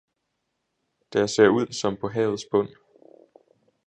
der ser ud, som på havets bund.